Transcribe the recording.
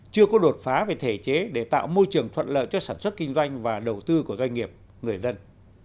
chưa có đột phá về thể chế để tạo môi trường thuận lợi cho sản xuất kinh doanh và đầu tư của doanh nghiệp người dân